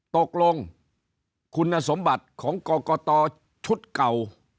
ตกลงคุณสมบัติของกรกตชุดเก่า